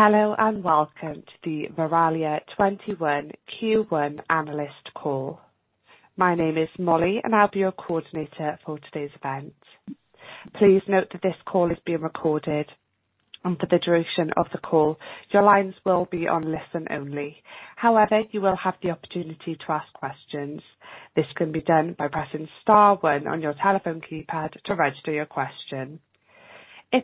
Hello, and welcome to the Verallia '21 Q1 analyst call. My name is Molly and I'll be your coordinator for today's event. Please note that this call is being recorded, and for the duration of the call, your lines will be on listen only. However, you will have the opportunity to ask questions. I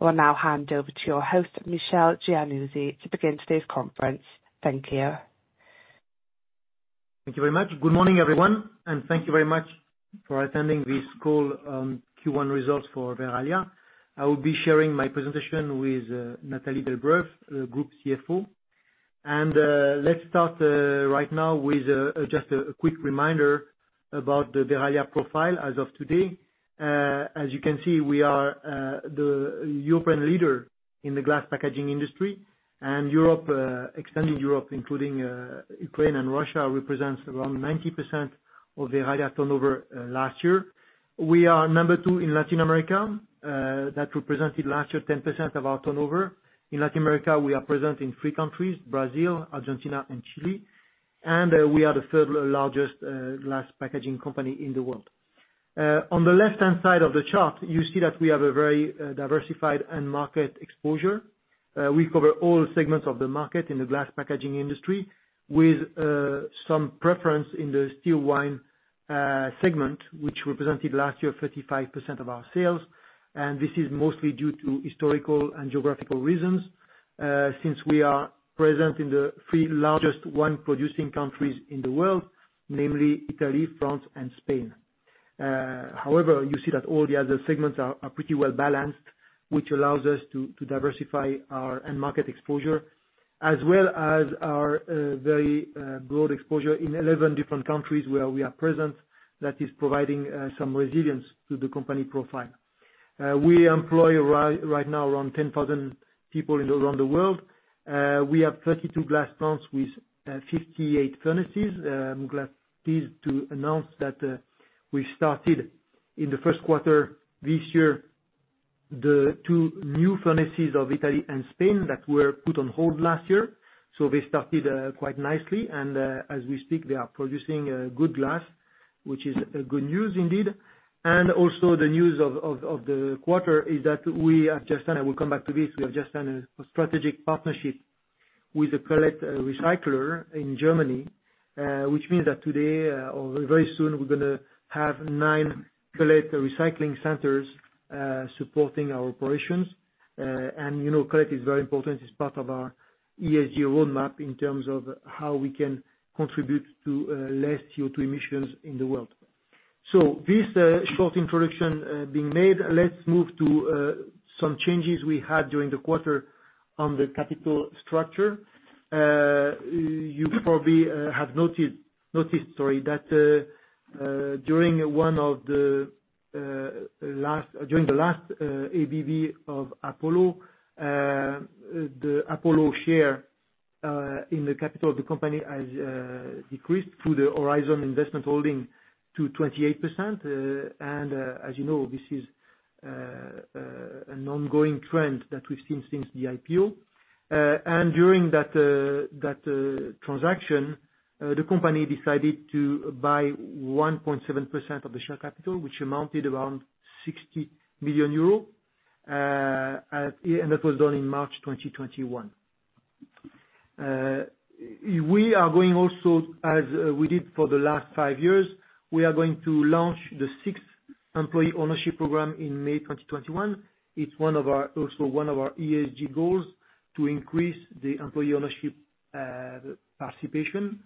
will now hand over to your host, Michel Giannuzzi, to begin today's conference. Thank you. Thank you very much. Good morning, everyone, and thank you very much for attending this call on Q1 results for Verallia. I will be sharing my presentation with Nathalie Delbreuve, the group CFO. Let's start right now with just a quick reminder about the Verallia profile as of today. As you can see, we are the European leader in the glass packaging industry and extending Europe, including Ukraine and Russia, represents around 90% of Verallia turnover last year. We are number two in Latin America. That represented last year 10% of our turnover. In Latin America, we are present in three countries, Brazil, Argentina, and Chile, and we are the third largest glass packaging company in the world. On the left-hand side of the chart, you see that we have a very diversified end market exposure. We cover all segments of the market in the glass packaging industry with some preference in the still wine segment, which represented last year 55% of our sales. This is mostly due to historical and geographical reasons, since we are present in the three largest wine-producing countries in the world, namely Italy, France, and Spain. You see that all the other segments are pretty well-balanced, which allows us to diversify our end market exposure, as well as our very broad exposure in 11 different countries where we are present. That is providing some resilience to the company profile. We employ right now around 10,000 people around the world. We have 32 glass plants with 58 furnaces. I'm glad to announce that we started in the first quarter this year, the two new furnaces of Italy and Spain that were put on hold last year. They started quite nicely and as we speak, they are producing good glass, which is good news indeed. Also the news of the quarter is that we have just done. I will come back to this. We have just done a strategic partnership with cullet recycler in Germany, which means that today or very soon, we're going to have nine cullet recycling centers supporting our operations. cullet is very important as part of our ESG roadmap in terms of how we can contribute to less CO2 emissions in the world. This short introduction being made, let's move to some changes we had during the quarter on the capital structure. You probably have noticed that during the last ABB of Apollo, the Apollo share in the capital of the company has decreased through the Horizon Investment Holdings to 28%. As you know, this is an ongoing trend that we've seen since the IPO. During that transaction, the company decided to buy 1.7% of the share capital, which amounted to around 60 million euros, and that was done in March 2021. We are going also, as we did for the last five years, we are going to launch the sixth employee ownership program in May 2021. It's also one of our ESG goals to increase the employee ownership participation.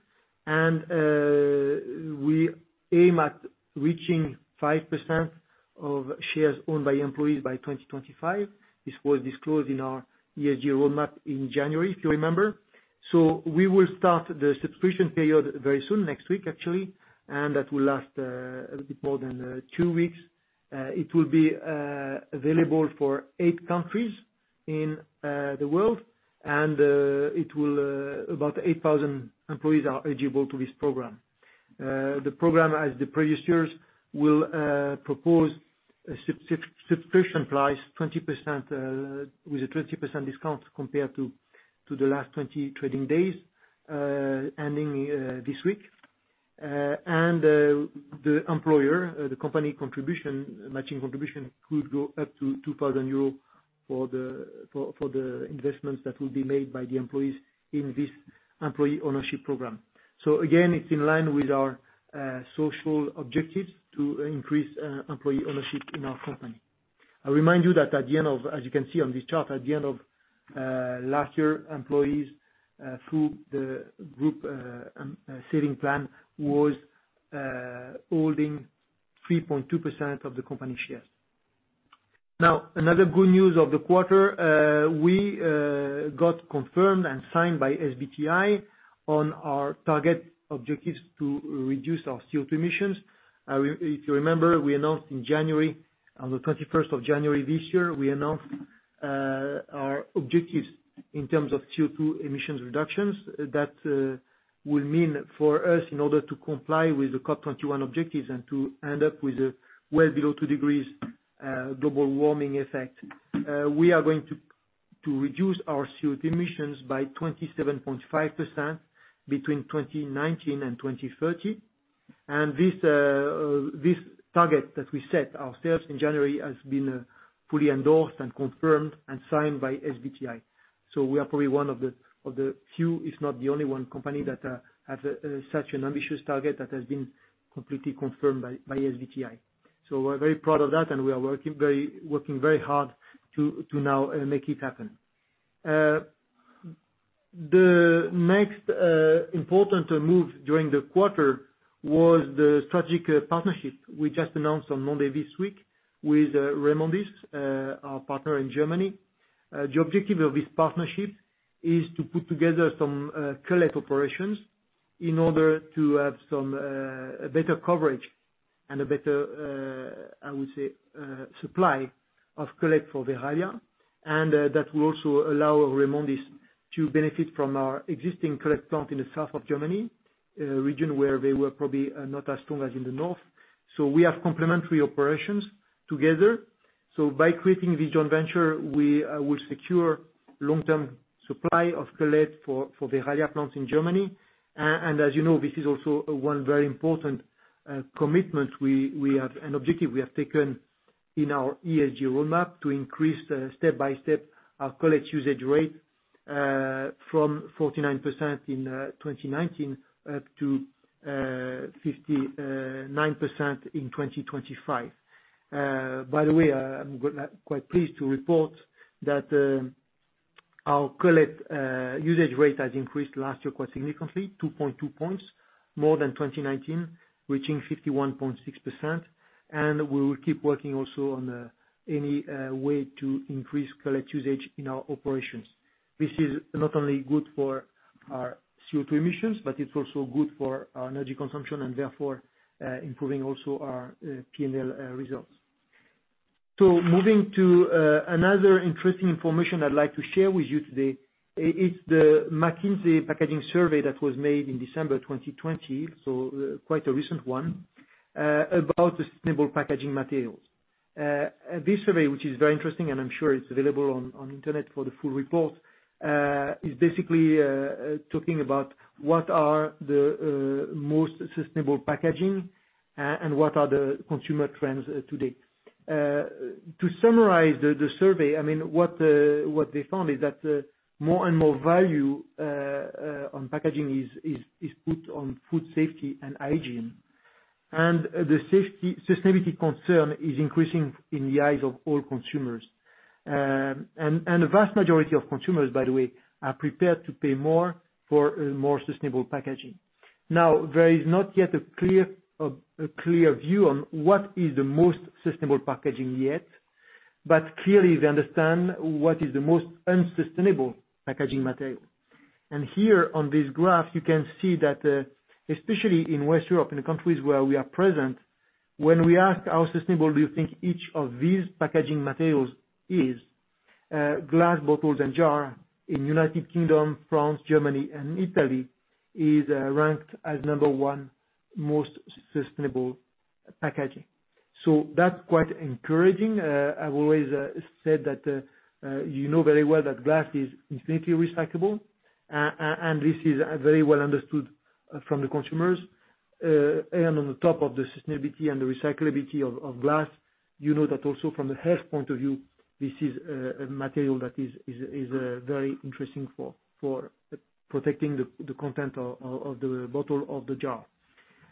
We aim at reaching 5% of shares owned by employees by 2025. This was disclosed in our ESG roadmap in January, if you remember. We will start the subscription period very soon, next week, actually, and that will last a bit more than two weeks. It will be available for eight countries in the world and about 8,000 employees are eligible to this program. The program, as the previous years, will propose subscription price with a 20% discount compared to the last 20 trading days ending this week. The employer, the company contribution, matching contribution, could go up to 2,000 euros for the investments that will be made by the employees in this employee ownership program. Again, it's in line with our social objectives to increase employee ownership in our company. I remind you that as you can see on this chart, at the end of last year, employees through the group saving plan was holding 3.2% of the company shares. Another good news of the quarter, we got confirmed and signed by SBTi on our target objectives to reduce our CO2 emissions. If you remember, on the 21st of January this year, we announced our objectives in terms of CO2 emissions reductions. That will mean for us, in order to comply with the COP21 objectives and to end up with well below two degrees global warming effect, we are going to reduce our CO2 emissions by 27.5% between 2019 and 2030. This target that we set ourselves in January has been fully endorsed and confirmed and signed by SBTi. We are probably one of the few, if not the only one company that has such an ambitious target that has been completely confirmed by SBTi. We're very proud of that, and we are working very hard to now make it happen. The next important move during the quarter was the strategic partnership we just announced on Monday this week with Remondis, our partner in Germany. The objective of this partnership is to put together some cullet operations in order to have some better coverage and a better, I would say, supply of cullet for Verallia. That will also allow Remondis to benefit from our existing cullet plant in the south of Germany, a region where they were probably not as strong as in the north. We have complementary operations together. By creating this joint venture, we will secure long-term supply of cullet for Verallia plants in Germany. As you know, this is also one very important commitment we have, an objective we have taken in our ESG roadmap to increase step by step our cullet usage rate, from 49% in 2019 up to 59% in 2025. By the way, I'm quite pleased to report that our cullet usage rate has increased last year quite significantly, 2.2 points more than 2019, reaching 51.6%. We will keep working also on any way to increase cullet usage in our operations. This is not only good for our CO2 emissions, but it's also good for our energy consumption and therefore, improving also our P&L results. Moving to another interesting information I'd like to share with you today is the McKinsey Packaging Survey that was made in December 2020, quite a recent one, about the sustainable packaging materials. This survey, which is very interesting and I'm sure it's available on internet for the full report, is basically talking about what are the most sustainable packaging and what are the consumer trends today. To summarize the survey, what they found is that more and more value on packaging is put on food safety and hygiene. The sustainability concern is increasing in the eyes of all consumers. A vast majority of consumers, by the way, are prepared to pay more for more sustainable packaging. Now, there is not yet a clear view on what is the most sustainable packaging yet, but clearly they understand what is the most unsustainable packaging material. Here on this graph you can see that, especially in West Europe, in the countries where we are present, when we ask how sustainable do you think each of these packaging materials is, glass bottles and jar in United Kingdom, France, Germany and Italy is ranked as number one most sustainable packaging. That's quite encouraging. I've always said that you know very well that glass is infinitely recyclable, and this is very well understood from the consumers. On the top of the sustainability and the recyclability of glass, you know that also from the health point of view, this is a material that is very interesting for protecting the content of the bottle, of the jar.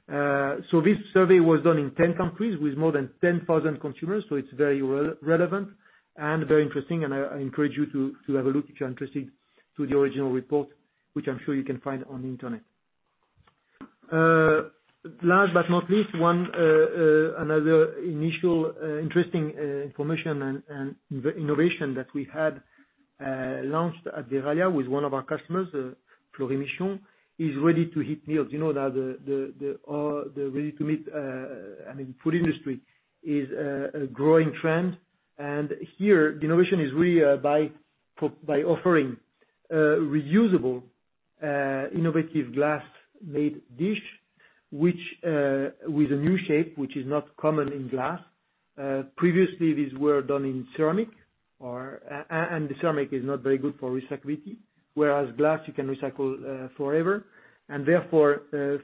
This survey was done in 10 countries with more than 10,000 consumers, so it's very relevant and very interesting. I encourage you to have a look if you're interested to the original report, which I'm sure you can find on the Internet. Last but not least, another initial interesting information and innovation that we had launched at Verallia with one of our customers, Fleury Michon, is ready-to-heat meals. You know that the ready-to-eat food industry is a growing trend. Here the innovation is really by offering reusable innovative glass-made dish, with a new shape which is not common in glass. Previously these were done in ceramic, and ceramic is not very good for recyclability, whereas glass you can recycle forever. Therefore,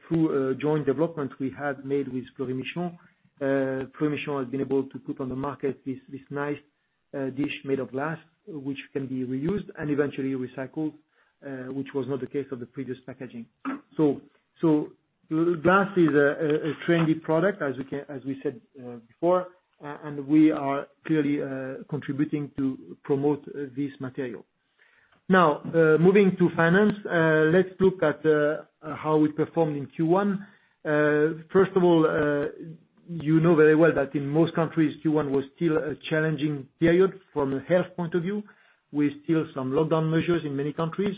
through joint development we had made with Fleury Michon, Fleury Michon has been able to put on the market this nice dish made of glass, which can be reused and eventually recycled, which was not the case of the previous packaging. Glass is a trendy product, as we said before, and we are clearly contributing to promote this material. Moving to finance, let's look at how we performed in Q1. First of all, you know very well that in most countries, Q1 was still a challenging period from a health point of view, with still some lockdown measures in many countries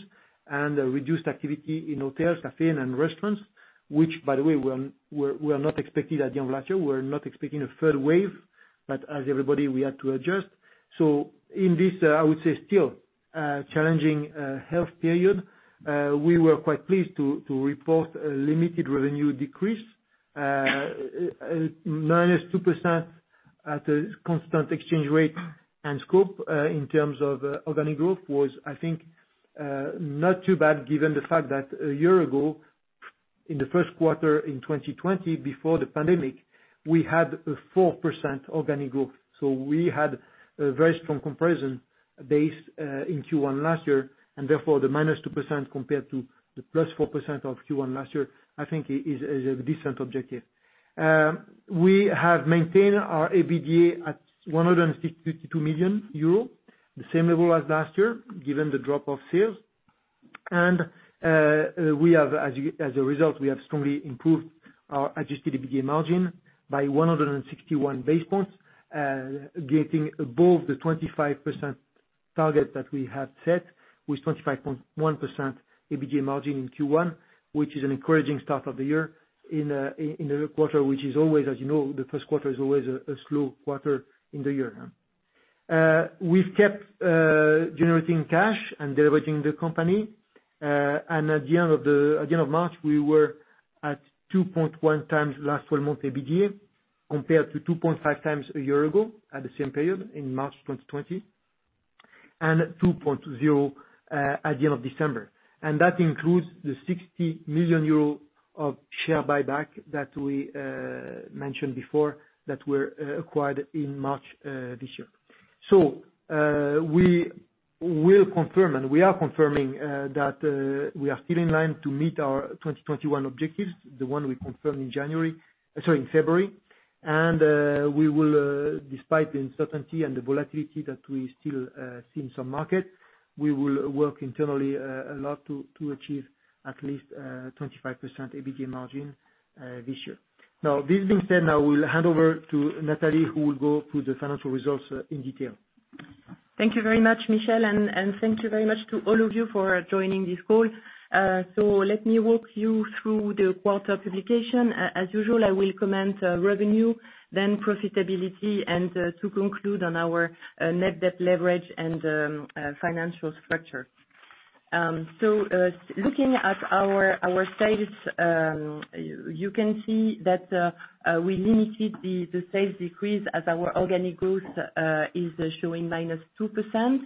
and reduced activity in hotels, cafe and restaurants, which by the way, we are not expecting at Verallia, we are not expecting a third wave. As everybody, we had to adjust. In this, I would say still, challenging health period, we were quite pleased to report a limited revenue decrease, minus 2% at a constant exchange rate and scope in terms of organic growth was, I think, not too bad given the fact that a year ago, in the first quarter in 2020, before the pandemic, we had a 4% organic growth. We had a very strong comparison base in Q1 last year, and therefore the -2% compared to the +4% of Q1 last year, I think is a decent objective. We have maintained our EBITDA at 162 million euro, the same level as last year, given the drop of sales. As a result, we have strongly improved our adjusted EBITDA margin by 161 base points, getting above the 25% target that we had set with 25.1% EBITDA margin in Q1, which is an encouraging start of the year in the quarter, which is always, as you know, the first quarter is always a slow quarter in the year. We've kept generating cash and de-leveraging the company. At the end of March, we were at 2.1 times last 12-month EBITDA, compared to 2.5 times a year ago at the same period in March 2020, and 2.0 at the end of December. That includes the 60 million euro of share buyback that we mentioned before that were acquired in March this year. We will confirm, and we are confirming that we are still in line to meet our 2021 objectives, the one we confirmed in February. Despite the uncertainty and the volatility that we still see in some markets, we will work internally a lot to achieve at least a 25% EBITDA margin this year. This being said, I will hand over to Nathalie, who will go through the financial results in detail. Thank you very much, Michel, and thank you very much to all of you for joining this call. Let me walk you through the quarter publication. As usual, I will comment revenue, then profitability, and to conclude on our net debt leverage and financial structure. Looking at our sales, you can see that we limited the sales decrease as our organic growth is showing -2%.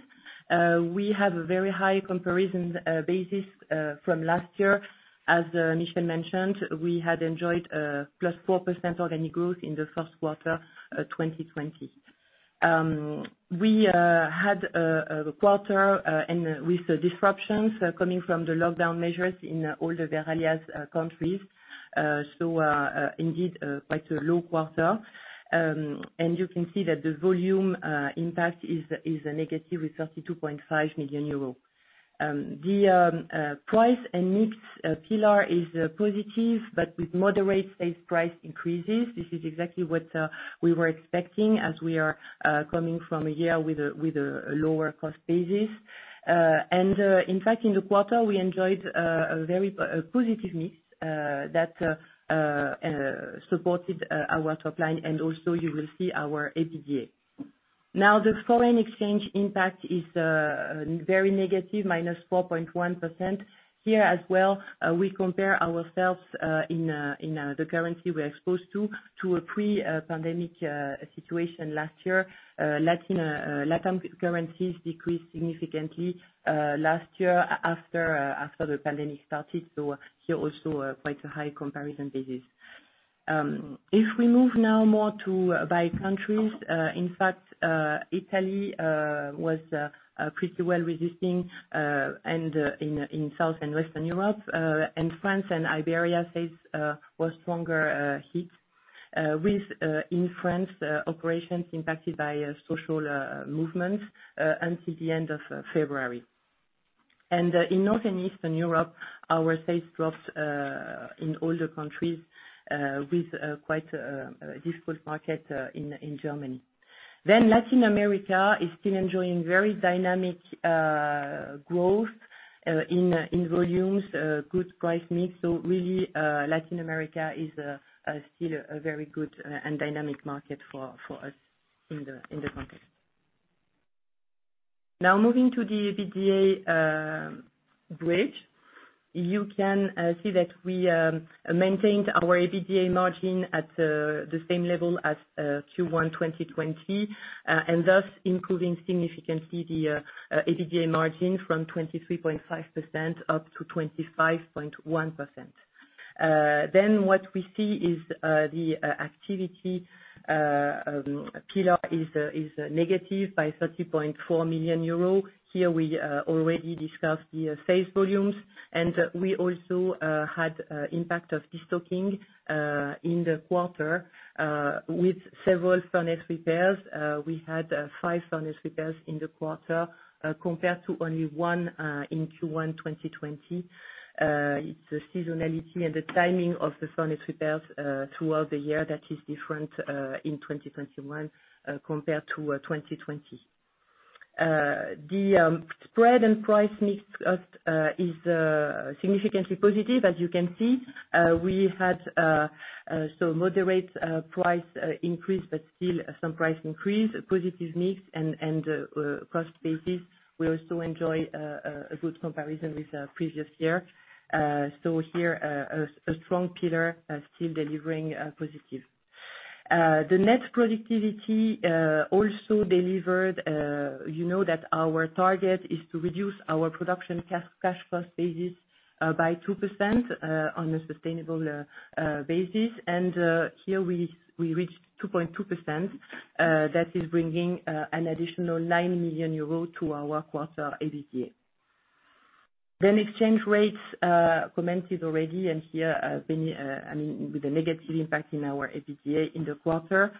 We have a very high comparison basis from last year. As Michel mentioned, we had enjoyed +4% organic growth in the first quarter 2020. We had a quarter with disruptions coming from the lockdown measures in all of Verallia's countries. Indeed, quite a low quarter. You can see that the volume impact is a negative with 32.5 million euros. The price and mix pillar is positive, but with moderate sales price increases. This is exactly what we were expecting as we are coming from a year with a lower cost basis. In fact, in the quarter, we enjoyed a very positive mix that supported our top line, and also you will see our EBITDA. Now, the foreign exchange impact is very negative, -4.1%. Here as well, we compare ourselves in the currency we're exposed to a pre-pandemic situation last year. LatAm currencies decreased significantly last year after the pandemic started, here also quite a high comparison basis. If we move now more to by countries, in fact, Italy was pretty well resisting, and in South and Western Europe, and France and Iberia sales were stronger hit, with, in France, operations impacted by social movements until the end of February. In Northern Eastern Europe, our sales dropped in all the countries, with quite a difficult market in Germany. Latin America is still enjoying very dynamic growth in volumes, good price mix. Really, Latin America is still a very good and dynamic market for us in the context. Moving to the EBITDA bridge. You can see that we maintained our EBITDA margin at the same level as Q1 2020, and thus improving significantly the EBITDA margin from 23.5% up to 25.1%. What we see is the activity pillar is negative by 30.4 million euro. Here we already discussed the sales volumes, and we also had impact of destocking in the quarter with several furnace repairs. We had five furnace repairs in the quarter compared to only one in Q1 2020. It's the seasonality and the timing of the furnace repairs throughout the year that is different in 2021 compared to 2020. The spread and price mix is significantly positive, as you can see. We had some moderate price increase, but still some price increase, positive mix and cost basis. We also enjoy a good comparison with previous year. Here, a strong pillar still delivering positive. The net productivity also delivered. You know that our target is to reduce our production cash cost basis by 2% on a sustainable basis. Here, we reached 2.2%. That is bringing an additional 9 million euros to our quarter EBITDA. Exchange rates, commented already, and here with a negative impact in our EBITDA in the quarter.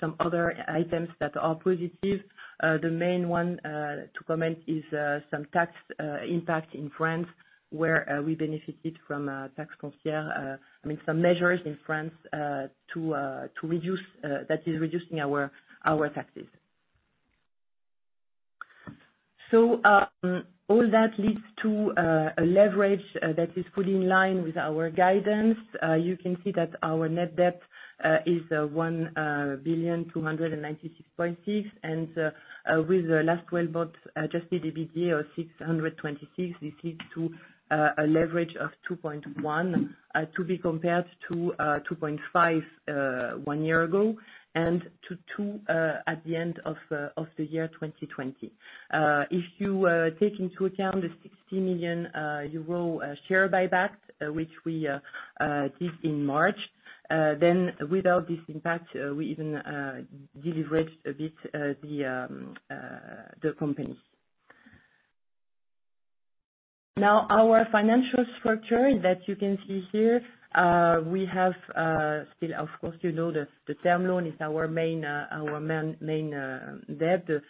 Some other items that are positive. The main one to comment is some tax impact in France, where we benefited from some measures in France that is reducing our taxes. All that leads to a leverage that is fully in line with our guidance. You can see that our net debt is 1,296.6 million. With the last 12 months adjusted EBITDA of 626, this leads to a leverage of 2.1 to be compared to 2.5 one year ago, and to two at the end of the year 2020. If you take into account the 60 million euro share buyback, which we did in March, without this impact, we even de-leveraged a bit the company. Our financial structure that you can see here. Still, of course, the term loan is our main debt. The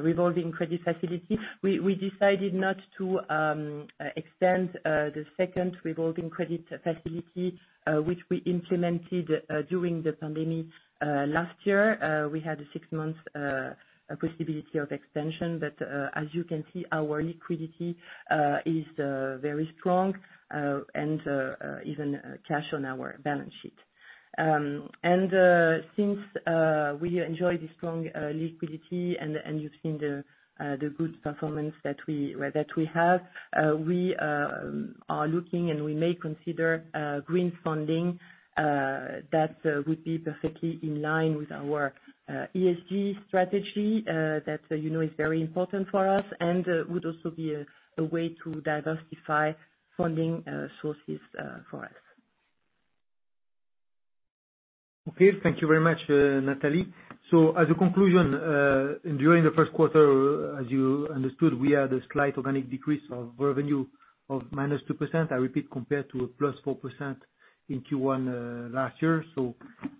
revolving credit facility, we decided not to extend the second revolving credit facility, which we implemented during the pandemic last year. We had a six-month possibility of extension. As you can see, our liquidity is very strong, and even cash on our balance sheet. Since we enjoy this strong liquidity, and you've seen the good performance that we have, we are looking, and we may consider green funding that would be perfectly in line with our ESG strategy that is very important for us, and would also be a way to diversify funding sources for us. Thank you very much, Nathalie. As a conclusion, during the first quarter, as you understood, we had a slight organic decrease of revenue of -2%, I repeat, compared to a +4% in Q1 last year.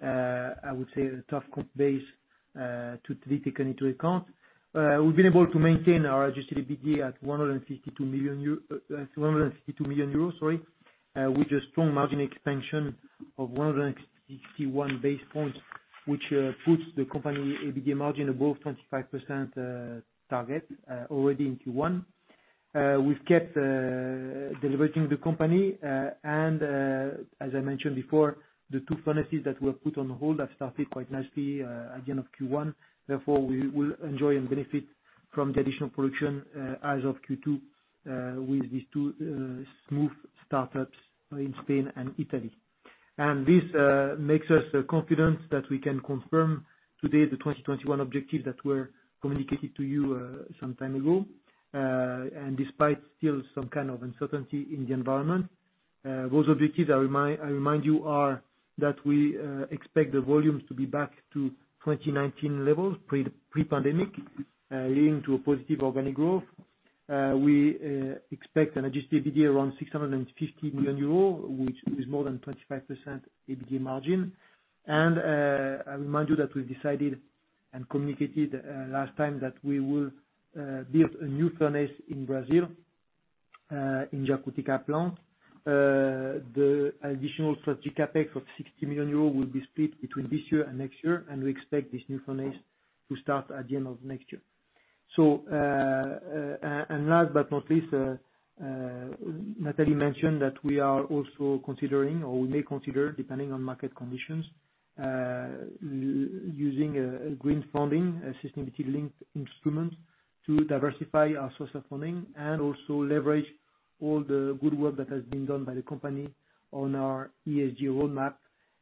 I would say a tough comp base to take into account. We've been able to maintain our adjusted EBITDA at 162 million euro with a strong margin expansion of 161 basis points, which puts the company EBITDA margin above 25% target already in Q1. We've kept deleveraging the company. As I mentioned before, the two furnaces that were put on hold have started quite nicely at the end of Q1. Therefore, we will enjoy and benefit from the additional production as of Q2 with these two smooth startups in Spain and Italy. This makes us confident that we can confirm today the 2021 objective that were communicated to you some time ago. Despite still some kind of uncertainty in the environment, those objectives, I remind you, are that we expect the volumes to be back to 2019 levels, pre-pandemic, leading to a positive organic growth. We expect an adjusted EBITDA around 650 million euros, which is more than 25% EBITDA margin. I remind you that we've decided and communicated last time that we will build a new furnace in Brazil, in Jacutinga plant. The additional strategic CapEx of 60 million euros will be split between this year and next year, and we expect this new furnace to start at the end of next year. Last but not least, Nathalie mentioned that we are also considering, or we may consider, depending on market conditions, using a green funding sustainability-linked instrument to diversify our source of funding and also leverage all the good work that has been done by the company on our ESG roadmap,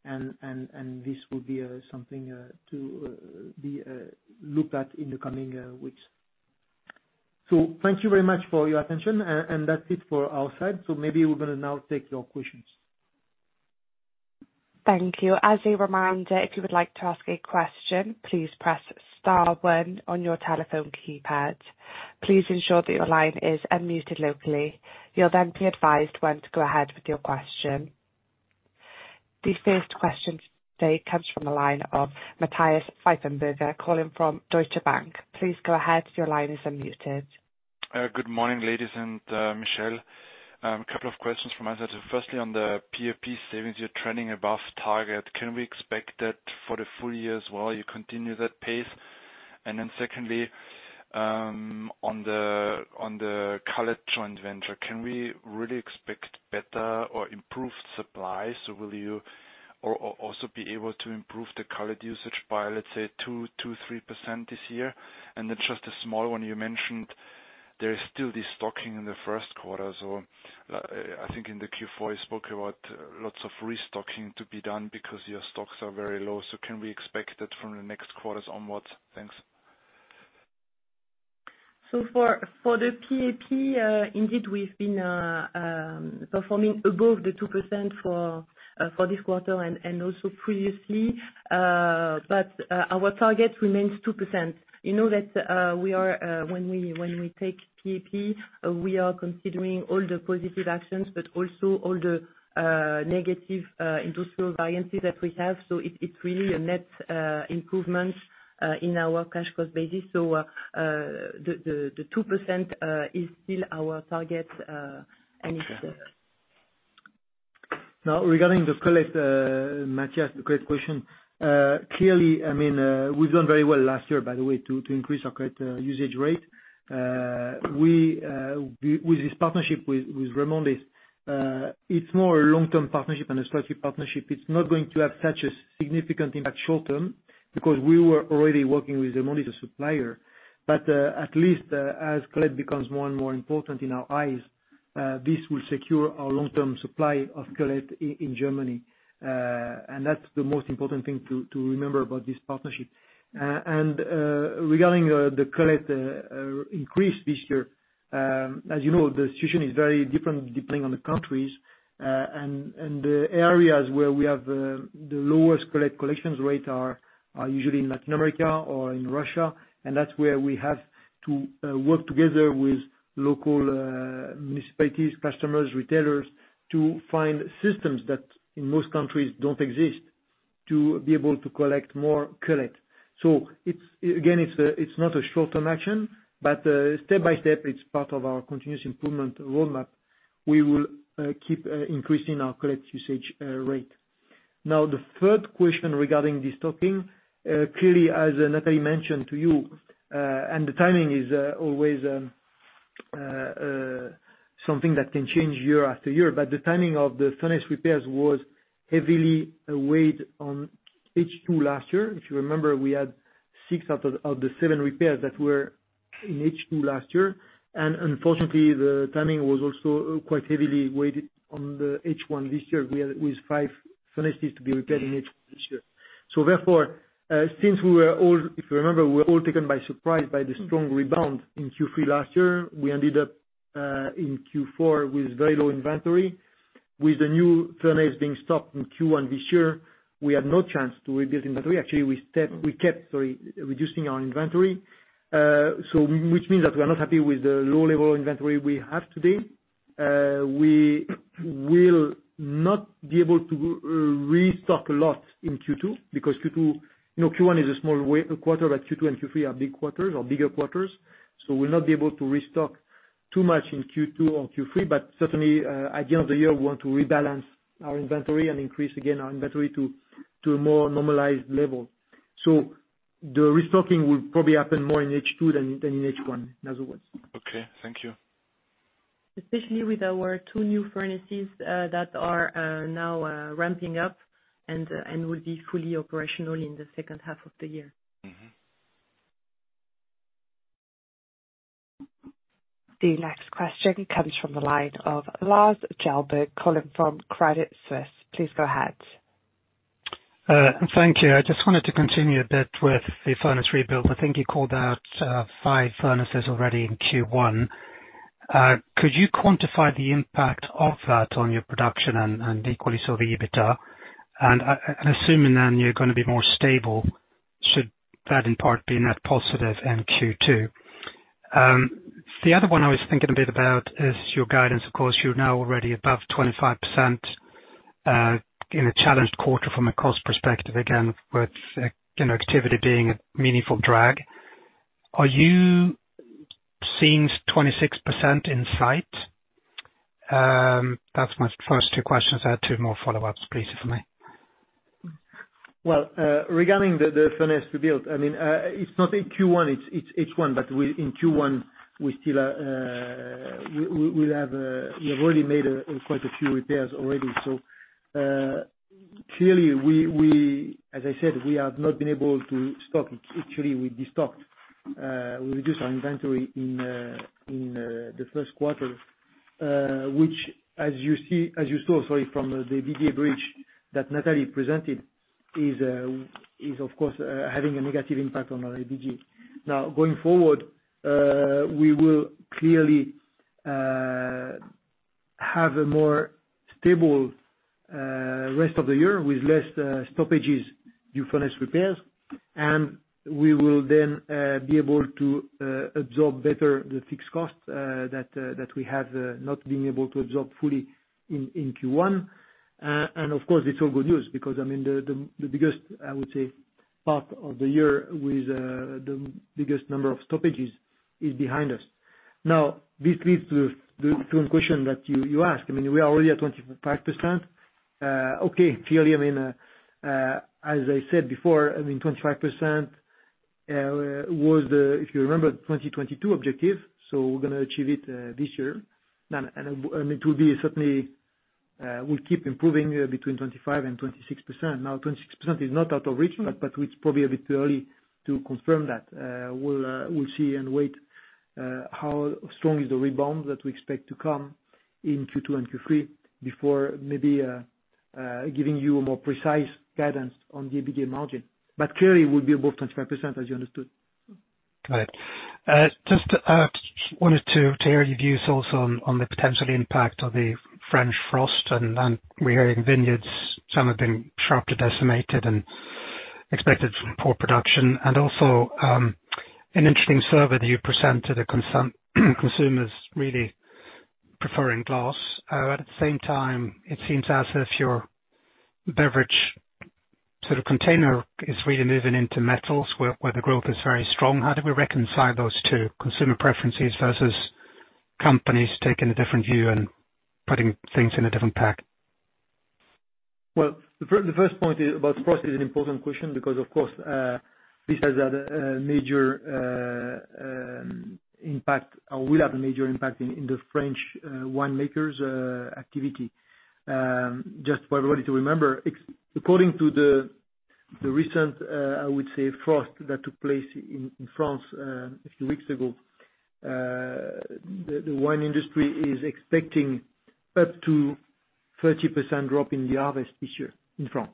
and this will be something to be looked at in the coming weeks. Thank you very much for your attention, and that's it for our side. Maybe we're going to now take your questions. Thank you. As a reminder, if you would like to ask a question, please press star one on your telephone keypad. Please ensure that your line is unmuted locally. You'll then be advised when to go ahead with your question. The first question today comes from the line of Matthias Pfeifenberger, calling from Deutsche Bank. Please go ahead. Your line is unmuted. Good morning, ladies and Michel. A couple of questions from my side. Firstly, on the PAP savings, you're trending above target. Can we expect that for the full year as well, you continue that pace? Secondly, on the cullet joint venture, can we really expect better or improved supply? Will you also be able to improve the cullet usage by, let's say, 2%-3% this year? Just a small one, you mentioned there is still de-stocking in the first quarter. I think in the Q4 you spoke about lots of restocking to be done because your stocks are very low. Can we expect that from the next quarters onwards? Thanks. For the PAP, indeed, we've been performing above the 2% for this quarter and also previously. Our target remains 2%. You know that when we take PAP, we are considering all the positive actions, but also all the negative industrial variances that we have. It's really a net improvement in our cash cost basis. The 2% is still our target. Okay. Now, regarding the cullet, Matthias, great question. Clearly, we've done very well last year, by the way, to increase our cullet usage rate. With this partnership with Remondis, it's more a long-term partnership and a strategic partnership. It's not going to have such a significant impact short term, because we were already working with Remondis as supplier. At least as cullet becomes more and more important in our eyes, this will secure our long-term supply of cullet in Germany. That's the most important thing to remember about this partnership. Regarding the cullet increase this year, as you know, the situation is very different depending on the countries. The areas where we have the lowest cullet collections rate are usually in Latin America or in Russia, and that's where we have to work together with local municipalities, customers, retailers, to find systems that, in most countries, don't exist, to be able to collect more cullet. Again, it's not a short-term action, but step by step, it's part of our continuous improvement roadmap. We will keep increasing our cullet usage rate. The third question regarding de-stocking. As Nathalie mentioned to you, and the timing is always something that can change year after year, but the timing of the furnace repairs was heavily weighed on H2 last year. If you remember, we had six out of the seven repairs that were in H2 last year. Unfortunately, the timing was also quite heavily weighted on the H1 this year. We had with five furnaces to be repaired in H1 this year. Therefore, since we were all, if you remember, we were all taken by surprise by the strong rebound in Q3 last year. We ended up in Q4 with very low inventory. With the new furnace being stopped in Q1 this year, we had no chance to rebuild inventory. Actually, we kept reducing our inventory. Which means that we are not happy with the low level inventory we have today. We will not be able to restock a lot in Q2, because Q1 is a small quarter, but Q2 and Q3 are big quarters or bigger quarters. We'll not be able to restock too much in Q2 or Q3, but certainly, at the end of the year, we want to rebalance our inventory and increase again our inventory to a more normalized level. The restocking will probably happen more in H2 than in H1, in other words. Okay. Thank you. Especially with our two new furnaces that are now ramping up and will be fully operational in the second half of the year. The next question comes from the line of Lars Kjellberg calling from Credit Suisse. Please go ahead. Thank you. I just wanted to continue a bit with the furnace rebuild. I think you called out five furnaces already in Q1. Could you quantify the impact of that on your production and equally so the EBITDA? Assuming then you're going to be more stable, should that in part be net positive in Q2? The other one I was thinking a bit about is your guidance. Of course, you're now already above 25% in a challenged quarter from a cost perspective, again, with connectivity being a meaningful drag. Are you seeing 26% in sight? That's my first two questions. I had two more follow-ups, please, if I may. Well, regarding the furnace rebuild, it's not in Q1, it's H1. In Q1 we have already made quite a few repairs already. Clearly, as I said, we have not been able to stock. Actually, we de-stocked. We reduced our inventory in the first quarter, which as you saw, sorry, from the EBITDA bridge that Nathalie presented, is of course having a negative impact on our EBITDA. Going forward, we will clearly have a more stable rest of the year with less stoppages due furnace repairs. We will be able to absorb better the fixed cost that we have not been able to absorb fully in Q1. Of course, it's all good news because the biggest part of the year with the biggest number of stoppages is behind us. This leads to the question that you asked. We are already at 25%. Clearly, as I said before, 25% was, if you remember, 2022 objective, so we're going to achieve it this year. It will be certainly, we'll keep improving between 25% and 26%. 26% is not out of reach, but it's probably a bit early to confirm that. We'll see and wait how strong is the rebound that we expect to come in Q2 and Q3 before maybe giving you a more precise guidance on the EBITDA margin. Clearly, it will be above 25%, as you understood. Got it. Just wanted to hear your views also on the potential impact of the French frost on vineyards. Some have been sharply decimated and expected poor production. Also, an interesting survey that you present to the consumers really preferring glass. At the same time, it seems as if your beverage sort of container is really moving into metals, where the growth is very strong. How do we reconcile those two consumer preferences versus companies taking a different view and putting things in a different pack? Well, the first point about frost is an important question because, of course, this has had a major impact or will have a major impact in the French winemakers' activity. Just for everybody to remember, according to the recent, I would say, frost that took place in France a few weeks ago, the wine industry is expecting up to 30% drop in the harvest this year in France.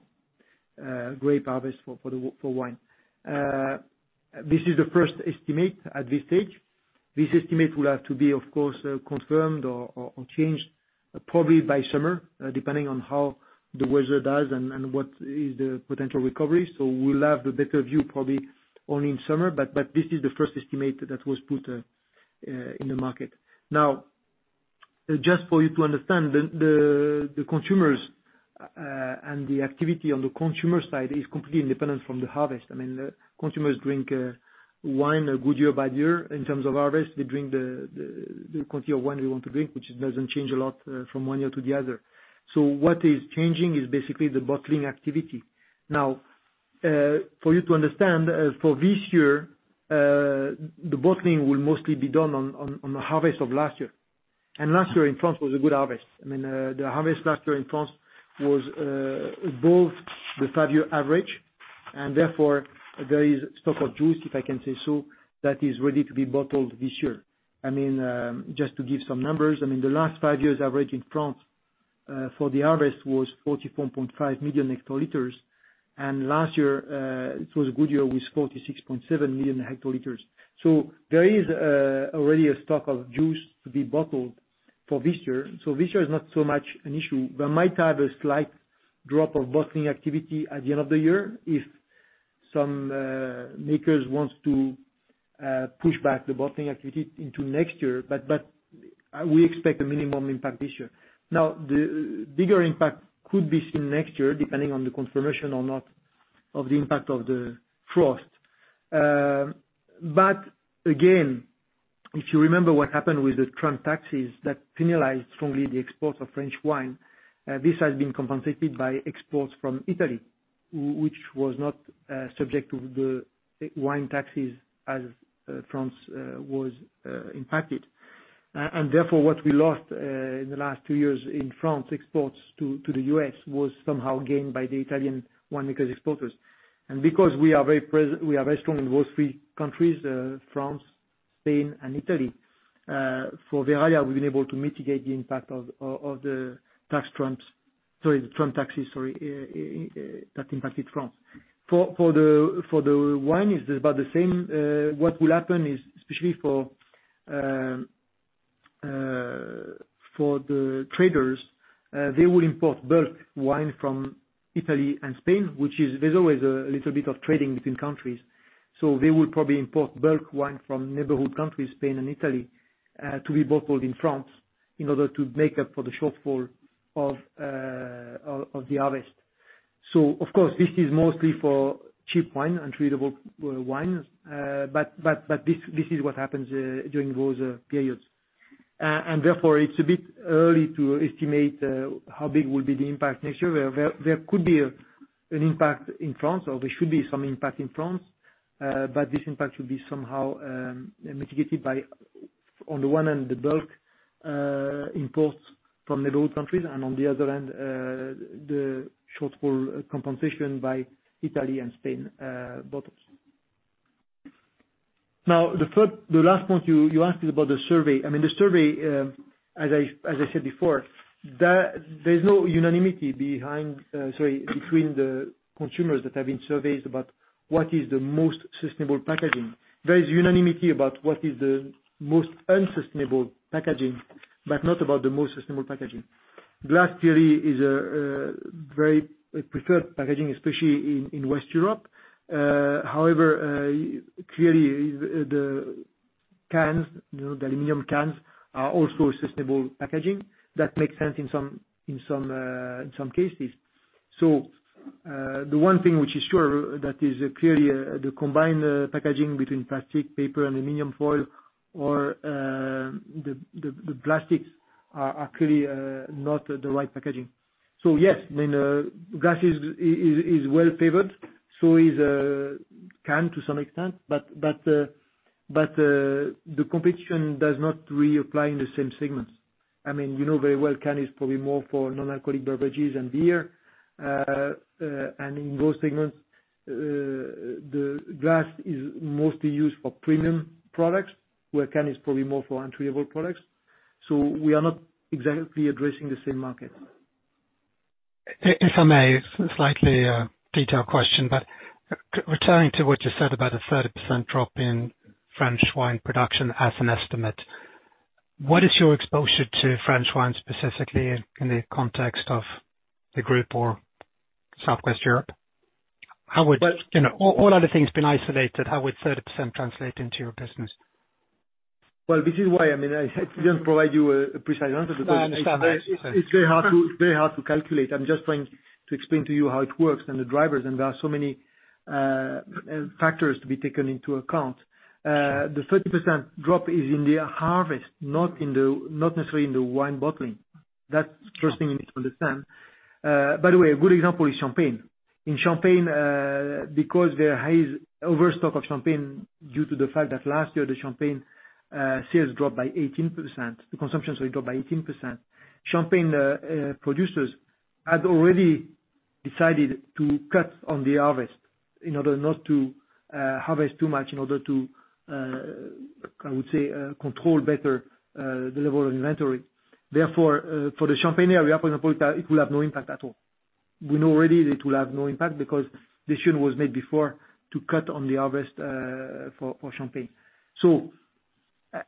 Grape harvest for wine. This is the first estimate at this stage. This estimate will have to be, of course, confirmed or changed probably by summer, depending on how the weather does and what is the potential recovery. We'll have the better view probably only in summer, but this is the first estimate that was put in the market. Now, just for you to understand, the consumers and the activity on the consumer side is completely independent from the harvest. Consumers drink wine good year, bad year in terms of harvest. They drink the quantity of wine they want to drink, which doesn't change a lot from one year to the other. What is changing is basically the bottling activity. For you to understand, for this year, the bottling will mostly be done on the harvest of last year. Last year in France was a good harvest. The harvest last year in France was above the five-year average, and therefore, there is stock of juice, if I can say so, that is ready to be bottled this year. Just to give some numbers, the last five years' average in France for the harvest was 44.5 million hectoliters, and last year, it was a good year with 46.7 million hectoliters. There is already a stock of juice to be bottled for this year. This year is not so much an issue. We might have a slight drop of bottling activity at the end of the year if some makers want to push back the bottling activity into next year, but we expect a minimum impact this year. The bigger impact could be seen next year, depending on the confirmation or not of the impact of the frost. Again, if you remember what happened with the Trump taxes that penalized strongly the export of French wine, this has been compensated by exports from Italy, which was not subject to the wine taxes as France was impacted. Therefore, what we lost in the last two years in France, exports to the U.S., was somehow gained by the Italian winemakers' exporters. Because we are very strong in those three countries, France, Spain, and Italy, for Verallia, we've been able to mitigate the impact of the Trump taxes that impacted France. For the wine, it's about the same. What will happen is, especially for the traders, they will import bulk wine from Italy and Spain, which is, there's always a little bit of trading between countries. They will probably import bulk wine from neighborhood countries, Spain and Italy, to be bottled in France in order to make up for the shortfall of the harvest. Of course, this is mostly for cheap wine and treatable wines. This is what happens during those periods. Therefore, it's a bit early to estimate how big will be the impact next year. There could be an impact in France, or there should be some impact in France, but this impact will be somehow mitigated by, on the one hand, the bulk imports from neighborhood countries, and on the other hand, the shortfall compensation by Italy and Spain bottles. Now, the last point you asked is about the survey. The survey, as I said before, there's no unanimity, sorry, between the consumers that have been surveyed about what is the most sustainable packaging. There is unanimity about what is the most unsustainable packaging, but not about the most sustainable packaging. Glass, clearly, is a very preferred packaging, especially in West Europe. However, clearly the cans, the aluminum cans are also sustainable packaging. That makes sense in some cases. The one thing which is sure that is clearly the combined packaging between plastic, paper, and aluminum foil, or the plastics are clearly not the right packaging. Yes, glass is well favored, so is can to some extent, but the competition does not really apply in the same segments. You know very well can is probably more for non-alcoholic beverages and beer. In those segments, the glass is mostly used for premium products, where can is probably more for entryway products. We are not exactly addressing the same market. If I may, slightly detailed question, but returning to what you said about a 30% drop in French wine production as an estimate. What is your exposure to French wine specifically in the context of the group or Southwest Europe? All other things being isolated, how would 30% translate into your business? Well, this is why I didn't provide you a precise answer. No, I understand that. it's very hard to calculate. I'm just trying to explain to you how it works and the drivers, and there are so many factors to be taken into account. The 30% drop is in their harvest, not necessarily in the wine bottling. That's the first thing we need to understand. By the way, a good example is champagne. In champagne, because there is overstock of champagne due to the fact that last year the champagne sales dropped by 18%, the consumption dropped by 18%. Champagne producers had already decided to cut on the harvest in order not to harvest too much, in order to, I would say, control better the level of inventory. Therefore, for the champagne area, we are confident that it will have no impact at all. We know already that it will have no impact because decision was made before to cut on the harvest for champagne.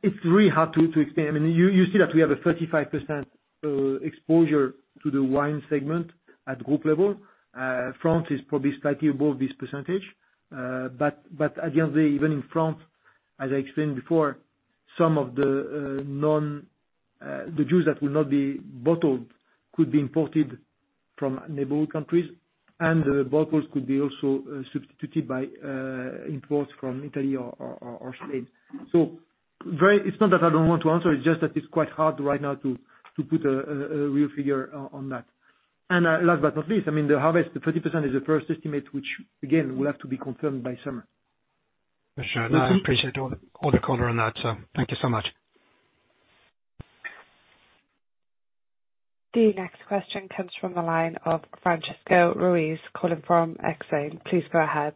It's really hard to explain. You see that we have a 35% exposure to the wine segment at group level. France is probably slightly above this percentage. Again, even in France, as I explained before, some of the juice that will not be bottled could be imported from neighbor countries, and the bottles could be also substituted by imports from Italy or Spain. It's not that I don't want to answer, it's just that it's quite hard right now to put a real figure on that. Last but not least, the harvest, the 30% is the first estimate, which again, will have to be confirmed by summer. For sure. I appreciate all the color on that, so thank you so much. The next question comes from the line of Francisco Ruiz, calling from Exane. Please go ahead.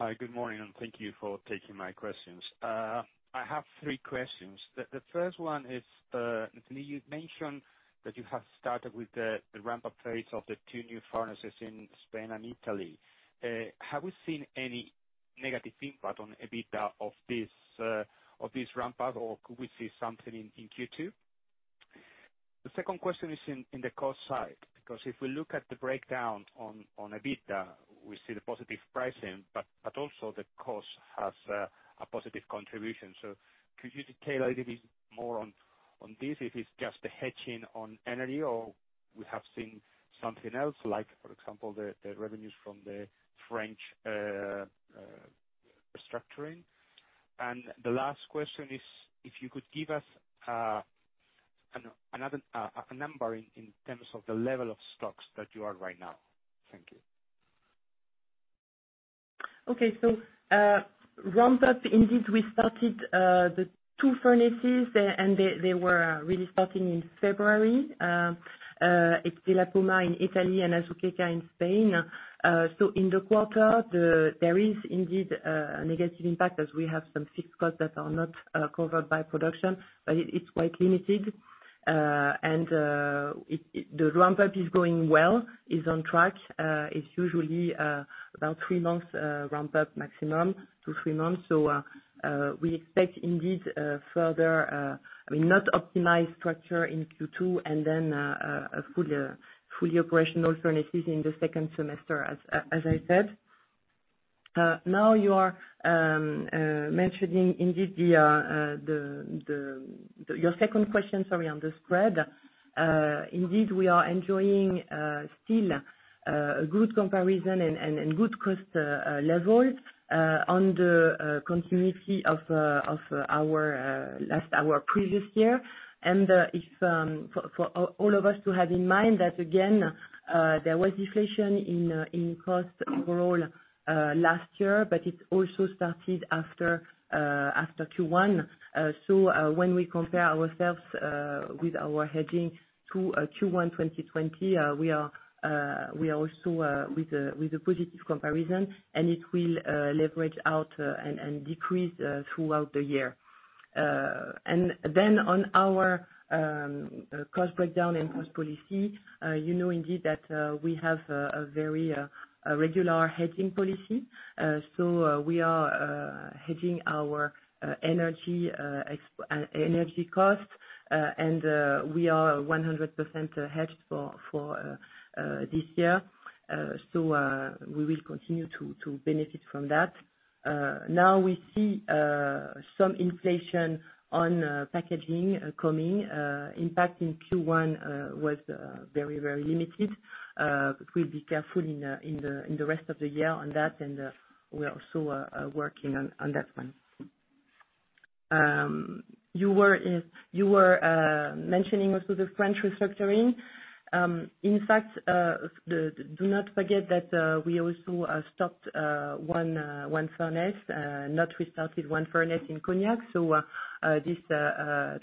Hi, good morning. Thank you for taking my questions. I have three questions. The first one is, Nathalie, you've mentioned that you have started with the ramp-up phase of the two new furnaces in Spain and Italy. Have we seen any negative impact on EBITDA of this ramp-up or could we see something in Q2? The second question is in the cost side. If we look at the breakdown on EBITDA, we see the positive pricing, also the cost has a positive contribution. Could you detail a little bit more on this, if it's just a hedging on energy or we have seen something else like, for example, the revenues from the French restructuring? The last question is, if you could give us a number in terms of the level of stocks that you are right now. Thank you. Okay. Ramp-up, indeed we started the two furnaces, and they were really starting in February. It's Villa Poma in Italy and Azuqueca de Henares in Spain. In the quarter, there is indeed a negative impact as we have some fixed costs that are not covered by production, but it's quite limited. The ramp-up is going well, is on track. It's usually about three months ramp-up maximum, two, three months. We expect indeed further, not optimized structure in Q2, and then fully operational furnaces in the second semester, as I said. You are mentioning indeed your second question, sorry, on the spread. Indeed we are enjoying still a good comparison and good cost levels on the continuity of our previous year. For all of us to have in mind that again, there was deflation in cost overall last year, but it also started after Q1. When we compare ourselves with our hedging to Q1 2020, we are also with a positive comparison, and it will leverage out and decrease throughout the year. On our cost breakdown and cost policy, you know indeed that we have a very regular hedging policy. We are hedging our energy cost, and we are 100% hedged for this year. We will continue to benefit from that. Now we see some inflation on packaging coming. Impact in Q1 was very limited. We'll be careful in the rest of the year on that, and we're also working on that one. You were mentioning also the French restructuring. In fact, do not forget that we also stopped one furnace, not restarted one furnace in Cognac. This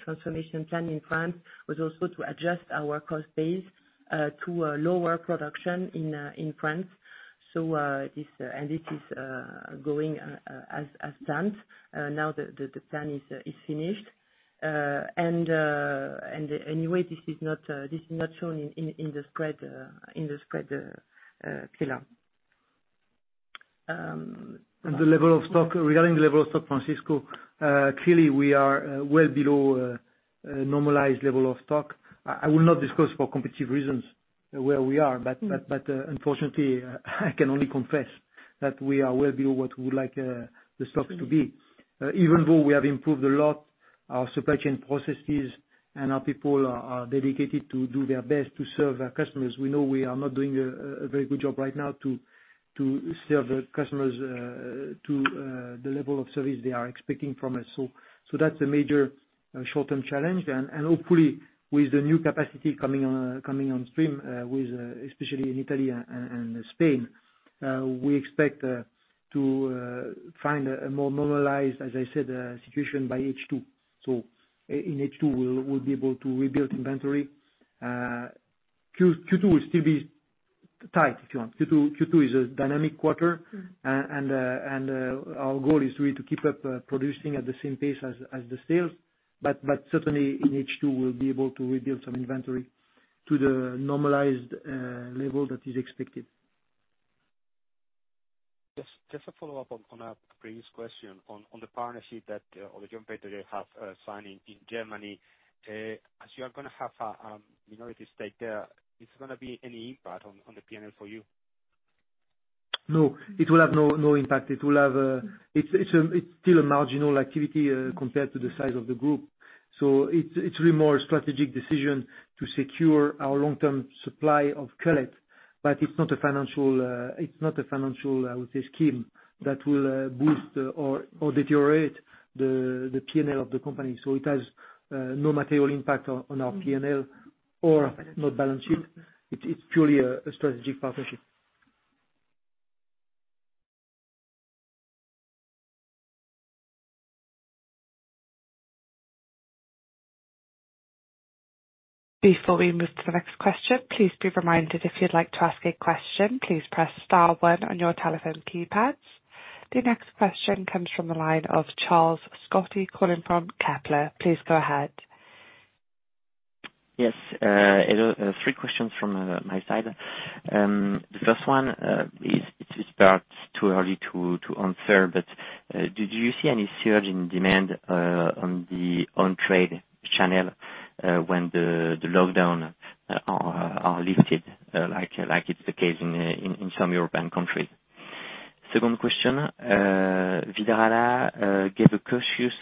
transformation plan in France was also to adjust our cost base to a lower production in France. It is going as planned. Now the plan is finished. Anyway, this is not shown in the spread pillar. Regarding the level of stock, Francisco, clearly we are well below normalized level of stock. I will not discuss for competitive reasons where we are, but unfortunately I can only confess that we are well below what we would like the stocks to be. Even though we have improved a lot our supply chain processes and our people are dedicated to do their best to serve our customers, we know we are not doing a very good job right now to serve the customers to the level of service they are expecting from us. That's a major short-term challenge. Hopefully with the new capacity coming on stream, especially in Italy and Spain, we expect to find a more normalized, as I said, situation by H2. In H2, we'll be able to rebuild inventory. Q2 will still be tight, if you want. Q2 is a dynamic quarter. Our goal is really to keep up producing at the same pace as the sales. Certainly in H2, we'll be able to rebuild some inventory to the normalized level that is expected. Just a follow-up on a previous question, on the partnership that have signed in Germany. As you're going to have a minority stake there, it's going to be an impact on the P&L for you? No. It will have no impact. It's still a marginal activity compared to the size of the group. It's really more a strategic decision to secure our long-term supply of cullet. It's not a financial, I would say, scheme that will boost or deteriorate the P&L of the company. It has no material impact on our P&L or balance sheet. It's purely a strategic partnership. Before we move to the next question, please be reminded, if you'd like to ask a question, please press star one on your telephone keypads. The next question comes from the line of Charles Scotti calling from Kepler. Please go ahead. Yes. Hello. Three questions from my side. The first one is, it's perhaps too early to answer, but did you see any surge in demand on the on-trade channel when the lockdown are lifted, like it's the case in some European countries? Second question, Verallia gave a cautious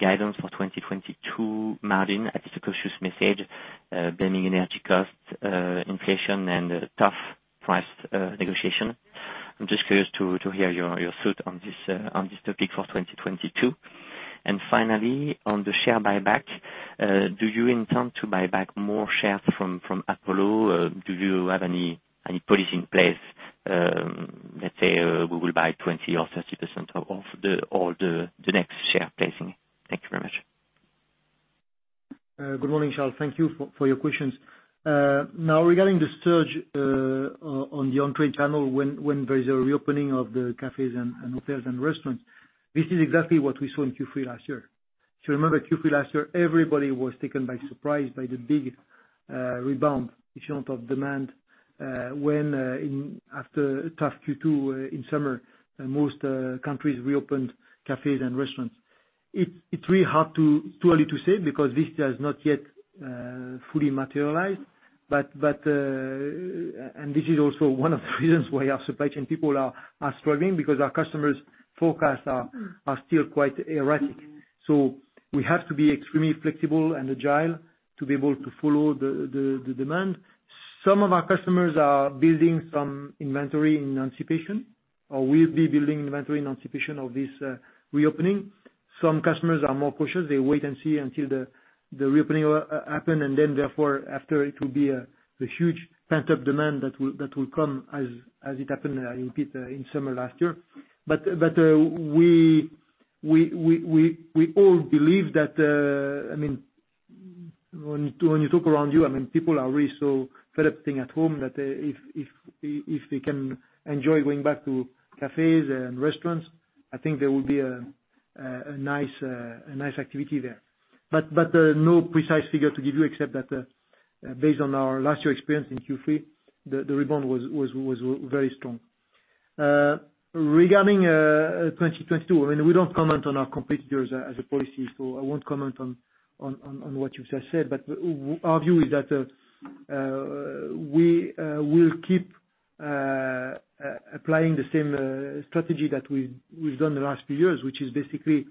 guidance for 2022 margin. At least a cautious message, blaming energy costs, inflation and tough price negotiation. I'm just curious to hear your thought on this topic for 2022. Finally, on the share buyback, do you intend to buy back more shares from Apollo? Do you have any policy in place? Let's say we will buy 20% or 30% of all the next share placing. Thank you very much. Good morning, Charles. Thank you for your questions. Regarding the surge on the on-trade channel when there is a reopening of the cafes and hotels and restaurants, this is exactly what we saw in Q3 last year. If you remember Q3 last year, everybody was taken by surprise by the big rebound, if you want, of demand, when after a tough Q2 in summer, most countries reopened cafes and restaurants. It's really too early to say because this has not yet fully materialized, and this is also one of the reasons why our supply chain people are struggling because our customers' forecasts are still quite erratic. We have to be extremely flexible and agile to be able to follow the demand. Some of our customers are building some inventory in anticipation or will be building inventory in anticipation of this reopening. Some customers are more cautious. They wait and see until the reopening happen and then therefore after it will be a huge pent-up demand that will come as it happened in summer last year. When you talk around you, people are really so fed up staying at home that if they can enjoy going back to cafes and restaurants, I think there will be a nice activity there. No precise figure to give you except that based on our last year experience in Q3, the rebound was very strong. Regarding 2022, we don't comment on our competitors as a policy, so I won't comment on what you just said. Our view is that we will keep applying the same strategy that we have done the last few years, which is basically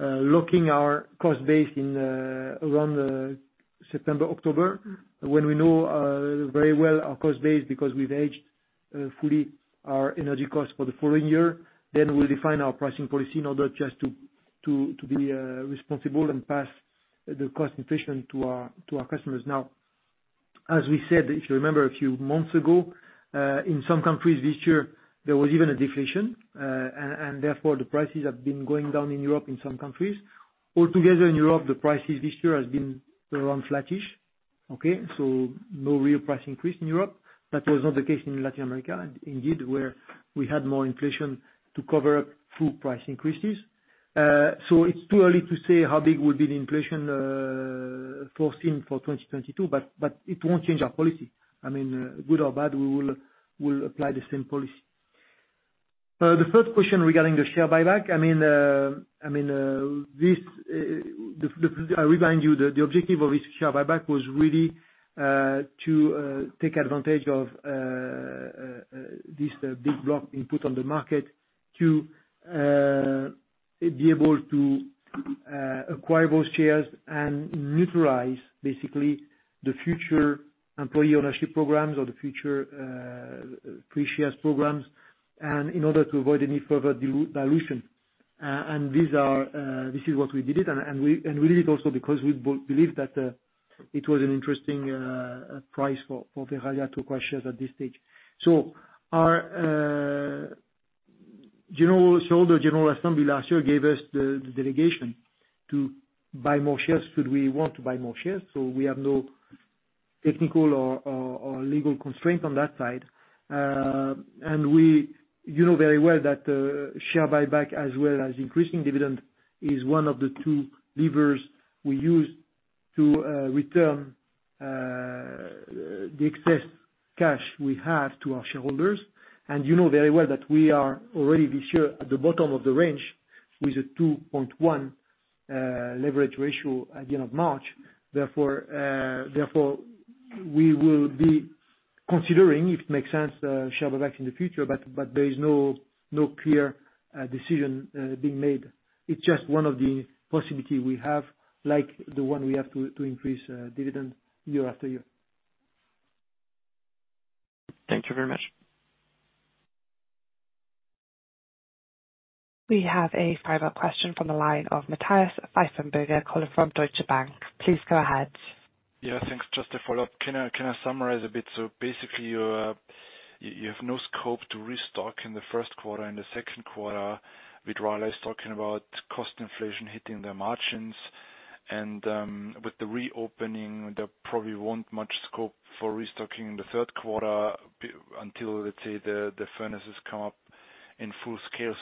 locking our cost base around September, October, when we know very well our cost base because we have hedged fully our energy cost for the following year. We will define our pricing policy in order just to be responsible and pass the cost inflation to our customers. As we said, if you remember a few months ago, in some countries this year, there was even a deflation, and therefore the prices have been going down in Europe in some countries. In Europe, the prices this year has been around flattish. Okay? No real price increase in Europe. That was not the case in Latin America, indeed, where we had more inflation to cover up full price increases. It's too early to say how big will be the inflation foreseen for 2022, but it won't change our policy. Good or bad, we will apply the same policy. The third question regarding the share buyback. I remind you, the objective of this share buyback was really to take advantage of this big block being put on the market to be able to acquire those shares and neutralize, basically, the future employee ownership programs or the future free shares programs, and in order to avoid any further dilution. This is what we did it, and we did it also because we believe that it was an interesting price for Verallia to acquire shares at this stage. The general assembly last year gave us the delegation to buy more shares should we want to buy more shares, so we have no technical or legal constraint on that side. You know very well that share buyback as well as increasing dividend is one of the two levers we use to return the excess cash we have to our shareholders. You know very well that we are already this year at the bottom of the range, with a 2.1 leverage ratio at the end of March. Therefore, we will be considering, if it makes sense, share buyback in the future, but there is no clear decision being made. It's just one of the possibility we have, like the one we have to increase dividend year after year. Thank you very much. We have a follow-up question from the line of Matthias Pfeifenberger calling from Deutsche Bank. Please go ahead. Yeah, thanks. Just a follow-up. Can I summarize a bit? Basically, you have no scope to restock in the first quarter and the second quarter, with Verallia talking about cost inflation hitting their margins. With the reopening, there probably won't much scope for restocking in the third quarter until, let's say, the furnaces come up in full scale.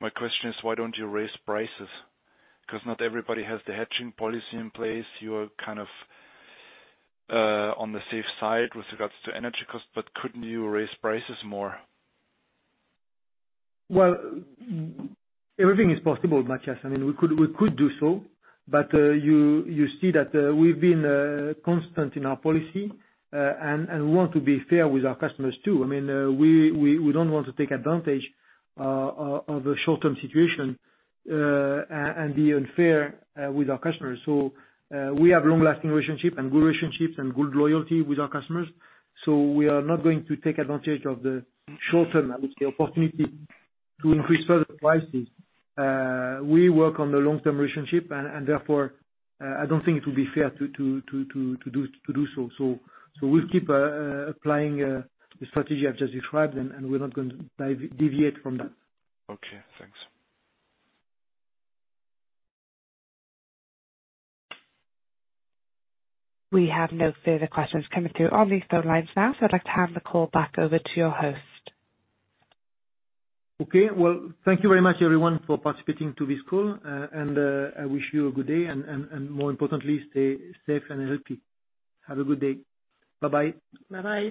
My question is, why don't you raise prices? Not everybody has the hedging policy in place. You're kind of on the safe side with regards to energy cost, but couldn't you raise prices more? Everything is possible, Matthias. We could do so, but you see that we've been constant in our policy, and we want to be fair with our customers, too. We don't want to take advantage of a short-term situation and be unfair with our customers. We have long-lasting relationship and good relationships and good loyalty with our customers, so we are not going to take advantage of the short term, the opportunity to increase further prices. We work on the long-term relationship, and therefore, I don't think it will be fair to do so. We'll keep applying the strategy I've just described, and we're not going to deviate from that. Okay. Thanks. We have no further questions coming through on these phone lines now. I'd like to hand the call back over to your host. Okay. Well, thank you very much everyone for participating to this call. I wish you a good day, and more importantly, stay safe and healthy. Have a good day. Bye-bye. Bye-bye.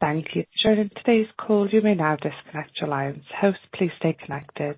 Thank you. In today's call, you may now disconnect your lines. Hosts, please stay connected.